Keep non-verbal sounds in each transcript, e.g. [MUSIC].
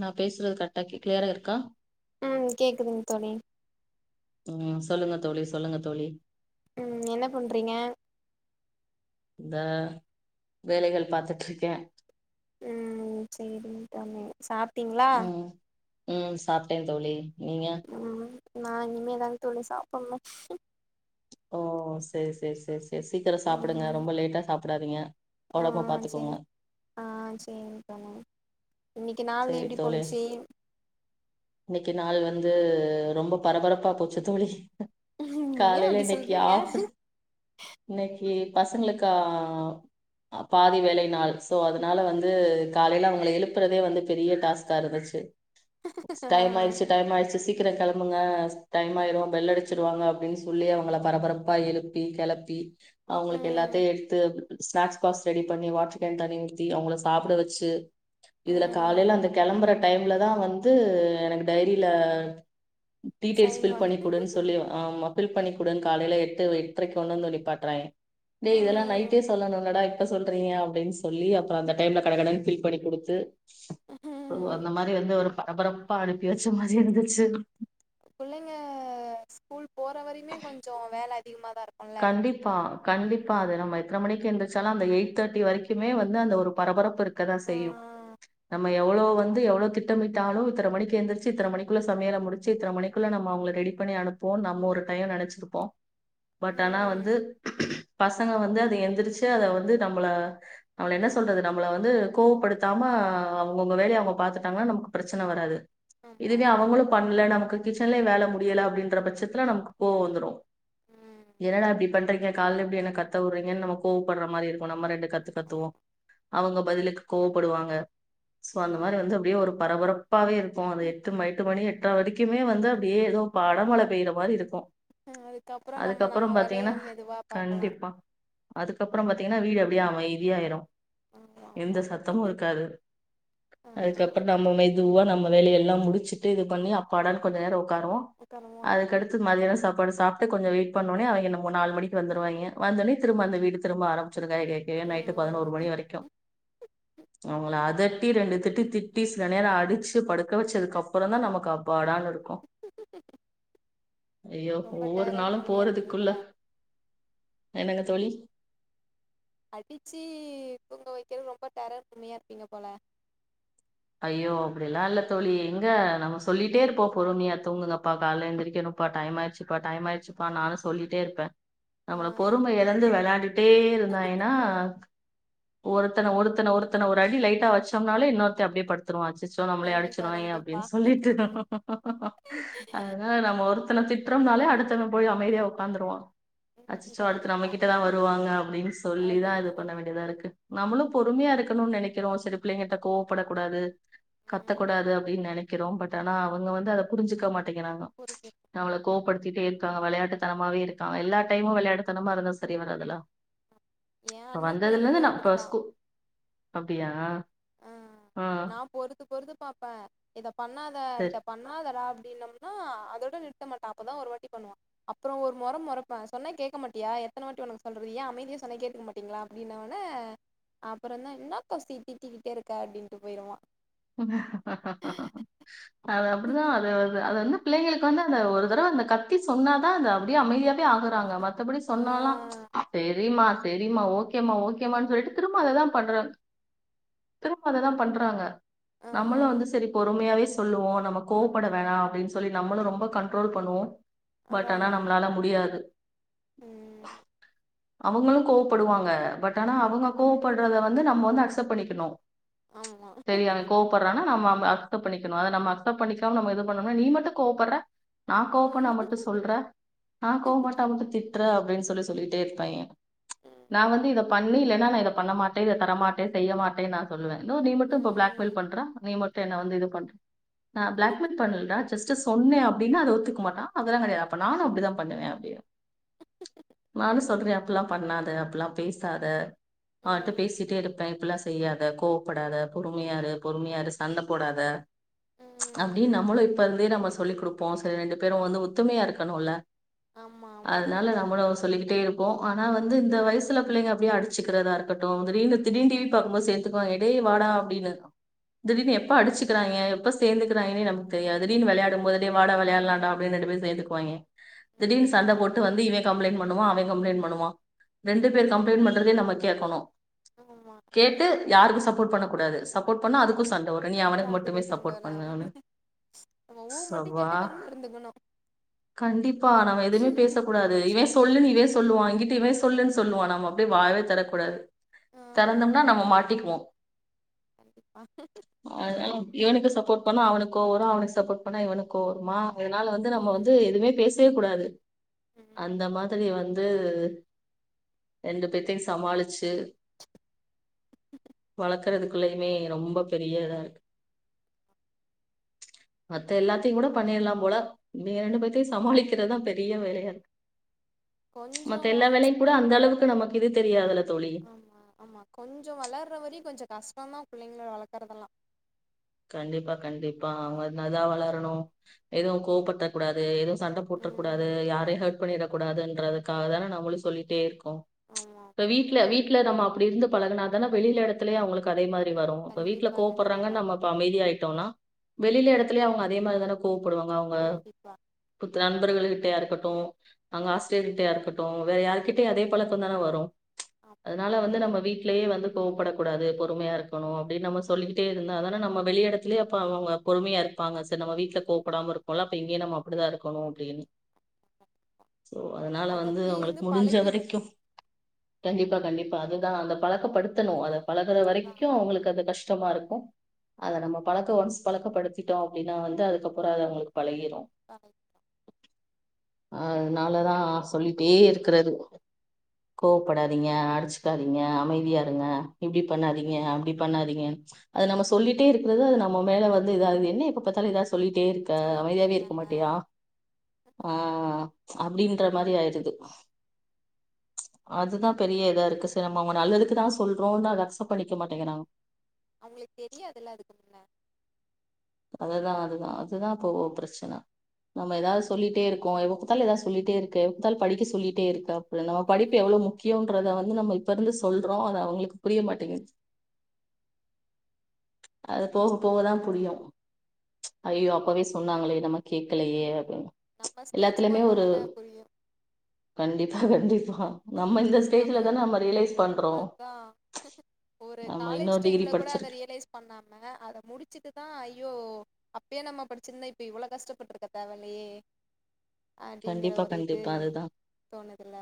நா பேசுறது கரெக்டா கிளியராா இருக்கா உம் கேக்குதுங்க தோழி உம் சொல்லுங்க தோழி சொல்லுங்க தோழி உம் என்ன பண்றீங்க இந்த வேலைகள் பாத்துட்டு இருக்கே உம் செரி தாமெ சாப்ட்டீங்களா உம் சாப்பிட்டே தோழி நீங்க ம் நா இனிமே தா தோழி சாப்பனு ஓ சேரி சேரி சேரி செ சீக்கிரம் சாப்பிடுங்க ரொம்ப லேட்டா சாப் ப்ட்ராதீங்க ஆஹ் சேரி ஆஹ் சேரிங் தோழன் சரி தோழி இன்னைக்கு நாள் வந்து ரொம்ப பரபரப்பா போச்சு தோழி ஏ காலேல அப்டி இன்னைக்கி சொல்றீங்க ஆபீஸ் இன்னைக்கி பசங்களுக்கு பாதி வேலை நாள் சோ அதுனால வந்து காலேல அவங்க எழுப்புறதே வந்து பெரிய டாஸ்கா இருந்துச்சு டைம் ஆய்டுச்சு டைம் ஆயிடுச்சு சீ க்கிற கெளம்புங்க டைம் ஆய்ரும் பெல் அடுச்சுறுவாங்க அப்டின்னு சொல்லி அவுங்கள பரபரப்பா எழுப்பி கெளப்பி அவுங்களுக்கு ம் எல்லாத்தையும் எடுத்து ஸ்னாக்ஸ் பாக்ஸ் ரெடி பண்ணி வாட்டர் கேன் ஊத்தி அவுங்கள சாப்புட வச்சு இதுல ம் காலேல அந்த கிளம்புற டைம்ல தான் வந்து எனக்கு டைரியில டீடெய்ல்ஸ் சரிமா ஃபில் பண்ணிக்குடுன்னு சொல்லி ஆமா ஃபில் பண்ணி குடுன்னு காலேல எட்டு எட்டுரைக்கு கொண்டு வந்து நிப்பாட்றாய்ங்க டேய் இதெல்லாம் ம் நைட்டே சொல்லணுலடா இப்ப சொல்றீங்க அப்டின்னு சொல்லி அப்புறம் அந்த டைம்ல கடகடனு ஃபில் பண்ணி குடுத்து ம் அந்த மாரி வந்து ஒரு பரபரப்பா அனுப்பி வச்ச மாரியே இருந்துச்சு புள்ளைங்க ஸ்கூல் போற வரைையுமே கொஞ்சோ வேல அதிகமா கண்டிப்பா கண்டிப் பா அது நம்ம எத்தன மணிக்கு எந்துருச்சாலும் அந்த எயிட் தேர்டி வரைக்குமே வந்து அந்த ஒரு பரபரப்பு இருக் க்கதா ஆ செய்யும் நம்ம எவ்ளோ வந்து எவ்ளோ திட்டமிட்டாலும் இத்தன மணிக்கு எந்திருச்சு இத்த மணிக்குள்ள சமயல முடுச்சு இத்தன மணிக்குள்ள நம்ம அவுங்கள ரெடி பண்ணி அனுப்புவோம்னு நம்ம ஒரு டைம் நெனச்சிருப்போம் பட் ஆனா வந்து ம் பசங்க வந்து அது எந்திரிச்சு அத வந்து நம்மள நம்மள என்ன சொல்றது நம்மள வந்து கோவப்படுத்தாம அவங்கவுங்க வேலைய அவங்க பாத்துட்டாங்கன்னா நமக்கு பிரச்சனை வராது ஆமா இதுவே அவங்களும் பண்ல நமக்கு கிச்சன்லயே வேலை முடியல அப்டின்ற பட்சத்துல நமக்கு கோவம் வந்துடும் உம் என்னடா இப்டி பண்றிங்க காலேல இப்டி என்ன கத்த வுற்றிங்கன்னு நம்ம கோவப்படுற மாரி இருக் கு நம்ம ரெண்டு கத்து கத்துவோம் அவுங்க பதிலுக்கு கோவப்படுவாங்க சோ அந்த மாரி ம் வந்து அப்டியே ஒரு பரபரப் பாவே இருக்கும் அது எட்டு எட்டு மணி எட் ர வரைக்குமே வந்து அப்டியே ஏதோ அடமழை பெய்ற மாரி இருக்கும் ஆஹ் அது அதுக்கப்புறம் பாத்தீங்கன்னா பாக்கலா கண்டிப்பா அதுக்கப்புறம் பாத்தீ பத்தீங்கனா வீடு அப்டியே அமைதியாயிரும் ஆமா எந்த ஆமா சத்தமும் இருக்காது ஆ அதுக்கப்புறம் நம்ம மெதுவா நம்ம வேலைய எல்லாம் முடிச்சுட்டு இது பண்ணி அப்பாடானு கொஞ்ச நேரம் உக்காருவோம் உக்காரமா அதுக்கடுத்து மதியானம் சாப் பாடு சாப்ட்டு கொஞ்சம் வெய் பண்ணோனே அவய்ங்க மூ நாலு மணிக்கு வந்துருவாய்ங்க வந்தோனே திரும்ப அந்த வீடு திரும்ப ஆரம் சுருங்காய்கேக்கே நைட்டு பதினோரு ம் மணி வரைக்கு அவங்கள ம் அதட்டி ரெண்டு திட்டு திட்டி சனியான அடிச்சு படுக்க வச்சதுக்கப்புறொந்தா நமக்கு அப்பாடானுருக் கு ஐயோ ரொம்ப ஒவ்வொரு டெரர் நாளு மம்மியா இருப்பீங்க போறதுக்குள்ள போல என்னங்க தோழி அடிச்சீ தூங்க வைக்கிற் ரொம்ப டெரர் மம்மியா இருப்பிங்க போல ஐயோ அப்டிலா இல்ல தோழி எங்க நம்ம சொல்லிட்டே இருப்போ பொறுமையா தூங்குங்கப்பா கால்ல எந்திரிக்கணுப்பா டைம் ஆயிர்ச்சுப்பா டைம் ஆயிர்ச்சுப்பா நானு சொல்லிட்டே இருப்பே ஆ நம்மள பொறும எழந்து வெளையாடி டே இருந்தாயனா ஒருத்தன ஒருத்தன ஒருத்தன ஒரு அடி லைட்டா வச்சோம்னாலே இன்னொருத் த அப்டியே படுத்துருவா சோ நம்ளயு கண்டிப்பா அடிச்சுருவாய கண்டிப்பா அப்டின் சொல்லிட்டுதா அத்னால நம்ம ஒருத்தன திட்றம்னாலே அடுத்தவ போயி அ அமைதியா ஒக்காந்துருவா ம் அச்சச்சோ அடுத்து கண்டிப்பா நம்மகிட்டதா வருவாங்க அப்டின்னு சொல்லிதா அப்டின்னு இது பண்ண வேண்டியதா இருக்கு நம்மளு பொறுமையா இருக் கனுன் நெனைக்கிறோ செரி பிள்ளைங்கட்ட கோ படக்கூடாது ம் கத்தக்கூடாது அப்டின் நெனைக்கிறோ பட் ஆனா அவங்க வந்து அதை புரிஞ்சுக்க மாட் டிங்கிறாங்கோ புரிஞ்சிருக்கு நம்மள கோவப்படுத் த்திட்டே இருக்காங்க வெளையாட்டுத்தனமாவே இருக்காங் எல்லா டைமு வெளையாட்டுத்தனமா இருந்தா சரி வராதுல ஏ இப்ப அண்ண வந்ததுலந்து பிள்ளைங்களு நா ப அப்டிதா ஸ்கூ அப்டியா ஆஹ் ஆ நா பொறுத்து பொறுத்து பாப்பே இத பண்ணாத இத பண்ணாதடா டீனம்னா அதோட நிறுத்த மாட்டா அப்பதா ஒரு வாட்டி பண்ணுவா அப்றொ ஒரு மொற மொறப்பே சொன்னா கேட்க மாட்டியா எத்தன வாட்டி ஒனக்கு சொல்றது ஏ அமைதியா சொன்னா கேட்டுக்க மாட்டிங்ளா அப்டினவொன அப்புறந்தா என்னாக்கா சீட்டி கத்திகிட்டே இருக்க அப்டின்ட்டு பொயிருவா அது அப்படிதான் அது அது அது வந்து பிள்ளைங்களுக்கு வந்து அந்த ஒரு தடவ அந்த கத்தி சொன்னாதா அது அப்டியே அமைதியா ய ஆகுறாங்க மத்தபடி ஆ சொன்னாலா சே ரீம்மா செரிம்மா ஓகேமா ஓகேமானு சொல்ட்டு திரும்ப அத தா பண்றாங் திரும்ப அத தா பண்றாங்க ஆ நம்மளு வந்து செரிப் பொறுமையாவே சொல்லுவோ நம்ம கோவ்ப்பட வேணா அப்டின் சொல்லி நம்மளு ரொம்ப கண்ட்ரோல் பண்ணுவோ பட் ஆனா நம்ளால முடியாது உம் அவங்களு கோவ்ப்படுவாங்க பட் ஆனா அவங்க கோவ்ப்பட்றத வந்து நம்ம வந்து அக்செப்ட் பண்ணிக்கணு ஆமா அவ அக்செப்ட் பண்ணிக்கணு அத நம்ம அக்செப்ட் பண்ணிக்காம நம்ம இது பண்ணம்னா நீ மட்டு கோவப்பட்ற நா கோவப்பண்ணா ம் மட்டு சொல்ற நா கோவம் பட்டா மட்டு திட்ற அப் ப்டின் சொல்லி சொல்லிட்டே இருப்பாய்ங்க நா வந்து இத பண்ணு இல்லைனா நா இத பண்ண மாட்டே இத தரமாட்டே செய்ய மாட்டே நா சொல்லுவே இதோ நீ மட் டு இப்போ ம் பிளாக்மெயில் பண்ற நீ மட்டு என்ன வந்து இது பண் நா பிளாக்மெயில் பண்லடா ஜெஸ்ட் சொன்னே அப்டினா அத ஒத்துக்க மாட்டா அதெல்லா கெடையா அப்ப நானு அப்டிதா பண்ணுவே அப்டினு நானு சொல்றே அப்பிட்ல்லா பண்ணாதா அப்பிட்லா பேசாதா மா அடுத்து ம் பேசிட்டே இருப்பே இப்பிட்லா செய்யாத கோவப்படாத பொறுமையாரு பொறுமையாரு சண்ட போடாத ம் அப்படின் நம்மளும் இப் இப்ப இருந்தே நம்ம சொல்லி் குடுப்போ சேரி ரெண்டு பேரு வந்து ஒத்துமையா இருக்கணுல்ல ஆமா ஆமா அதனால கண்டிப்பா நம்மளு சொல்லிக்கிட்டே இருப்போ ஆனா வந்து இந்த வயசுல பிள்ளைங்க அப்படியே அடிச்சிக்கிறதா இருக்கட்டு திடிர்னு திடீர் டிவி பாக்கும்போது சேத்துக்குவாய்ங்க டே வாடா அப்படின்னு திடீர்னு எப்ப அடிச்சுக்கிறாய்ங்க எப்ப சேந்து கிறாய்ங்கனே நமக்கு தெரியாது ம் திடிர்னு கண்டிப்பா விளையாடும்போது டே வாடா விளையாடலா டா அப்டின்னு ரெண்டு பேரு சேந்துக்குவாய்ங்க ம் திடீர்னு சண்ட போட்டு வந்து இவ கம்ப்ளைண்ட் பண்ணுவா அவ கம்ப்ளைண்ட் பண்ணுவா ரெண்டு பேர் கம்ப்ளைண்ட் பண்றதே நமக் கேக்கொணு ஆமா கேட்டு யாருக்கு சப்போர்ட் பண்ணக் கூடாது சப்போர்ட் பண்ணா அதுக்கு சண் ட உடனே நீ அவனுக்கு சாந்துக்கோ மட்டுமே சப்போர்ட் சாந்தோனா பண்ணு அவ நம்ம ஊ மட்டு ஸ்எப்பா கேட்டு கம்முனு இருந்துக்கணு கண்டிப்பா நாங்க எதுவுமே பேசக்கூடாது இவ சொல்லு நீ வே சொல்லுவா எங்கிட் அப்பியுமே சொல்லுன் சொல்லுவா நம்ம அப்படியே வாயவே திறக்கக்கூடாது ஆ தெறந்தோம்னா நாம்ம மாட்டிக்குவோ கண்டிப்பா அதனால இவனுக்கு சப் சப்போர்ட் பண்ணா அவனுக்கு கோவரு அவனுக்கு சப்போர்ட் பண்ணா இவனுக்கு கோவருமா அதனால வந்து நம்ம வந்து ம் எதுவுமே பேசவே கூடாது ம் அந்த மாதிரி வந் து ரெண்டு பேத்தையு சமாளிச்சு வளக்கறதுக்கு பிள்ளையுமே ரொம்ப பெரிய இதா இருக்கு மத்த எல்லாத்தையு கூட பண்ணிடலா போல இவிங்க ரெண்டு பேத்தையு சமாளிக்கிறதுதா பெரிய வேலையா இருக்கு கொஞ்சோ மத்த எல்லா வேலையு கூட அந்த அளவுக்கு நமக்கு இது தெரியாதுல ஆமா ஆமா கொஞ்சோ வளர்ற வரையு கொஞ்ச கஷ்டம்தா பிள்ளைங்கள வளக்கறதெல்லா கண்டிப்பா கண்டிப்பா அவங்க இதா வளரணு எதுவு கோவப்படுத்த கூடாது எதுவு சண்ட போட்டர கூடாது ம் யார ஹர்ட் பண்ணிற கூடதுன்றதுக்காக தான நம்மளு சொல்லிட்டே இருக்கோ ம் ப்ச் ஆமா இப்ப வீட்ல வீட்டு் வீட்ல நம் அப்படி இருந்து பழகன தான வெளியில இடத்திலியு அவங்களுக்கு அதே மாரி டி வரோ அப்ப வீட்ல கண்டிப்பா கூப்பறாங்க கண்டிப்பா நம்ம யிட்டோனா வெளில எடத்துலயே அவுங்க அதே மாரி தான கோ போடுவாங்க அவுங்க கண்டிப்பா புத் நண்பருகளு கிட்டயா இருக்கட்டோ அங்க ஹாஸ்டல் கிட்டயா இருக்கட்டோ வேற யார்கிட்டய அதே பழக்கோ தான வரோ ச்ச ஆமா அதுனால வந்து கண்டிப்பா நம்ம வீட்லேயே வந்து கோவப்படக் கூடாது பொ தொமையா இருக்கணோ அப்டின்னு நம்ம சொல்லிகிட்டே இருந்தாதன நம்ம வெளி எடத்திலயே அப்ப அவுங்க பொறுமையா இருப்பாங்க செர் நம்ம வீட்ல கோப்படாம இருக்கோல அப்ப இங்கேயு நம்ம அப்பிடிதா இருக்கணோ அப்படின்னு சோ அதனால அது வந்து அப்டியே இருந்து அவுங்களுக்கு முடிஞ்ச பழகிரு வரைக்கு ப அதுதா அந்த பழக்கப்படுத்தணோ அத பழகற அதா வரைக்குயு அவுங்குளுக்கு அது கஷ் சமா இருக்கோ அத நம்ம பழக்க ஒன்ஸ் பழக்கப்படுத்திட்டோ அப்டின்னா வந்து அதுக்கப்பற அது அவுங்களுக்கு பழக்கிரோ ஆ அதனாலதா சொல்லிட்டே இருக்கறது கோவப்படாதீங்க அடிச்சுக்காதீங்க அமைதியா இருங்க இப்டி பண்ணாதீங்க அப்டி பண்ணாதீங்க அத நம்ம சொ சொல்லிட்டே இருக்றது அது நம்ம மேல வந்து இதாவது என்ன எப்ப பாத்தாலு ஏதாது சொ சொல்லிட்டே இருக்க சொல்லிக்கிட்டே அமைதியாவே இருக்க இருக்காங்க மாட்டியா ஆ ச்ச அப்டின்ற மாதி ஆயிதுக்து ச்ச அதுதா பெரிய இதா இருக்கு செர் நம்ம அவுங்க நல்லதுக்குதா சொல்றோன்னு அத அக்செப்ட் பண்ணிக்க மாட்டேங்கறாங்க அவுங்ளுக்கு தெரியாதுல அதுக்கு மேல அததா அதுதா அதுதா இப்போ பிரச்சன நம்ம ஏதாவ் சொல்லிட்டே இருக்கோ இவப்பாத்தாலே ஏதாவ் சொல்லிட்டே இருக்கே எப்பாத்தாலு படிக்க சொல்லிட்டே இருக்க நம்ம படிப்பு எவ்ளோ ம் முக்கியான்றத வந்து நம்ம பரந்து சொல்றோ அது அவுங்குளுக் புரியே மாட்டேங்கிது ச்ச அது போவ போவதா புரியோ ச்ச ஐயோ அப்போவே சொன்னாங்களே நம்ம கேக்கலையே அப்டின் ச்ச நம்ம ஸ்டேஜுக்கு எல்லாத்திலமே ஒரு வந்தவொன்ன புரியு கண்டிப்பா கண்டிப்பா நம்ம இந்த ஸ்டேஜ்ல நம்மு தானே நம்ம ரியலைஸ் பண்றோம் அத்தா ஒரு நம்ம காலேஜ் இன்னொரு டிகிரி டைம்லே கூட அத படிச்சிருக்கு ரியலைஸ் பண்ணாமே அத முடிச்சிட்டுதா இ யோ அப்யோ நம்ம படிச்ருந்தா இப்ப இவளோ கஷ்டப்பட்ருக்க தேவல்லயே அடிங்கற கண்டிப்பா ஒரு இது தோணுதுல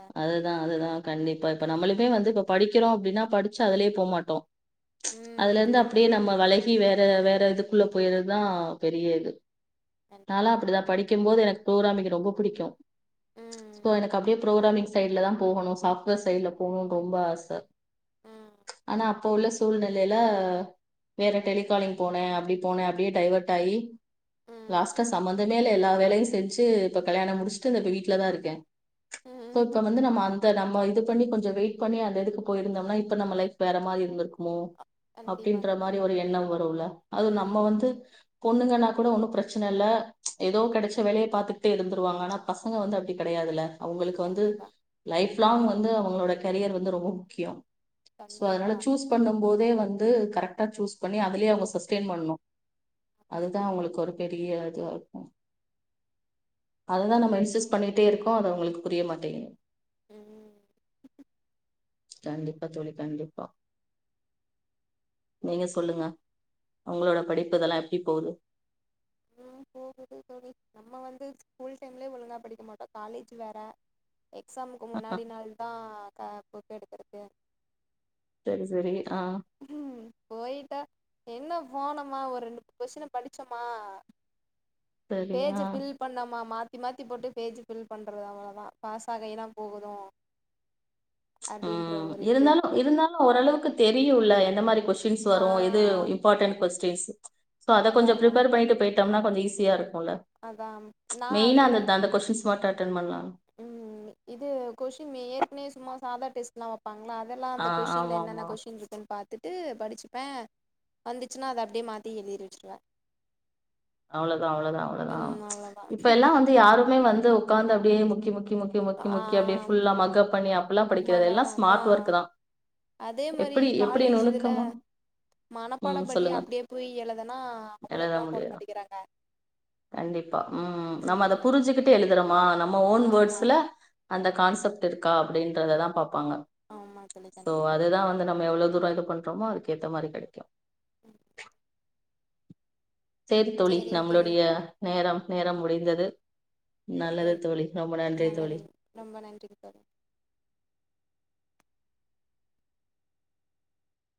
தான் அதுதா கண்டிப்பா இப்ப நம்மளுமே வந்து இப்ப படிக்றோ அப்டின்னா படிச் அதுலயே போமாட்டோ ச்ச அதுலந்து ம் அப்டியே நம்மே வளை கி வேற வேற இதுக்குள்ள போயீர்தா பெரியே இது நாலா கண்டிப்பா அப்புடுதா படிக்கிம்போது எனக் தோறா மிகு ரொம்போப் குடிக்கு ம் சோ எனக் அப்டே புரோகிராம்மிங் சைடுல தா போகணு சாஃப்ட் வேர் சைட்ல போணும்னு ரொம்ப ஆச ம் ஆனா அப்ப உள்ள சூழ்நிலையில வேற டெலிகாலிங் போனே அப்டி போனே அப்படியே டைவர்ட் ஆயி ம் லாஸ்டா சமந்தமேயில்ல எல்லா வேலையு செஞ்சு இப்ப கல்யாண முடிஷ்ட்டு இந்தேப்ப வீட்லதா இருக்கே சோ ம் இப்ப வந்து நம்ம அந் த நம்மோ இது பண்ணி கொஞ்சோ வெயிட் பண்ணி அந்த இதுக் போயிருந்தோம்னா இப்ப நம்ம லைஃப் வேற மாரி இருந்துர்க்கோ மோ கண்டிப்பா அப்டின்ற மாரி கண்டிப்பா ஒரு எண்ணம் வரோவுல்லே அதுவு நம்ம ம் வந்து பொண்ணுங்கனா கூட ஒண்ணூ பிரச்சன இல்லே ச்ச ஏதோ கெடச்ச வேலையே பாதுட் டே இருந்துருவாங்கனாப் பசங்கே வந்து அப்டி கெடையாதுலே அவுங்ளுக்கு வந்து கண்டிப்பா லைஃப் லாங் வந்து அவுங்ளோட கேரியர் வந்து ரொம்போ முக்கியோ சோ அதுனால கண்டிப்பா சூஸ் பண்ணும்போதே வந்து கரெக் ட்டா சூஸ் பண்ணி அதுலே அவங்க சஸ்டெய்ன் பண்ணு அதுதா அவங்களுக்கு ஒரு பெரிய இதுவாருக்கு அதுதா நம்ம இன்சிஸ் பண்ணிட்டே இருக்கோ அது அவங்களுக்கு புரிய மாட்டிங் ம் கண்டிப்பா தோழி கண்டிப்பா, நீங்க சொல்லுங்க உங்களோட படிப்பு இதெல்லா எப்டி போகுது ம் போகுது தோழி நம்ம வந்து ஸ்கூல் டைம்லயே ஒழுங்கா படிக்க மாட்டோ காலேஜு வேற எக்ஸாம்க்கு முன்னாடி நாள் தா க புக் எடுப் [UNINTELLIGIBLE] செரி செரி ம் போயிட்டா என்ன போனமா ஒரு ரெண்டு கொஸின்ன படிச்சோமா சரி ஆ பேஜ்ஜ ஃபில் பண்ணமா மா தி மாத்தி போட்டு பேஜ் ஃபில் பண்றது அவ்ளோதா பாஸ் ஆகையேதா போகுதோ ச்ச உம் இருந்தாலு இருந்தாலு ஒரளவுக்கு தெரியுல எந்த மாரி கொஷ் சின்ஸ் ஆ வரோ எது இம்பாட்டன் கொஸ் ஃபேஸ் இட் சோ அத அதா கொஞ்சொ அதா ப்ரிப்பேர் பண்ணிட்டு போ டம்னா கொஞ்சொ ஈஸியா இரு கோல அதா ச்ச நா மெயினா அந்த மின்னு தந்த கொஸ்சின்ஸ் வாட் அட்டன் பண்லா ம் இது கொஷின் ஏற்கனவே சும்மா சாதா டெஸ்லா வெப் பங்ளா அதெல்லா அந்த ஆ கொஸ்சின்ல ஆமா என்னென்ன ஆமா கொஸ்சின் இருக்குன்னு பாத்துட் டு படிச்சுப்பே வந்திச்சுன்னா அது அப்டே மாத்தி எழுரி வெச்சிருவ அவ்ளோதா அவ்ளோதா அவ்ளோதா ச்ச அவ்ளோதா இப்ப எல்லா வந்து யாருமே வந்து உக்காந்து அப்டியே மு கி முக்கி முக்கி முக்கி அப்டே ஃபுல்லா மக்கப் பண்ணி அ மகா தா அதே மாரி எப்டி எப்டி காலேஜ் இதுல நுணுக்கமா மனப்பாட ம் பண்ணி சொல்லுங்க அப்டே போயி எழுதனா எழுத அவ்ளோக்லா போட முடியு மாட்டி கண்டிப்பா உம் நம்ம அத ம் புரிஞ்சுகிட்டு எழுதறமா நம்ம ஓன் ஆமா வேர்டுஸ்ல அந்த கான்செப்ட் இருக்கா அப்டின்றததா பாப் ப்பாங்க ஆமா தோழி சோ கண்டிப்பா அதுதா வந்து நம்ம எவ்ளோ தூர இது பண் ரொம்போ அதுக்கேத்த மாரி கெடக்கு தோழி சேரிங் தோழி நம்ளுடைய நேரம் நேரம் முடிந்தது நல்லது தோழி ரொம்ப நன்றி தோழி நல்லது ரொம்ப நன்றிங் தோழி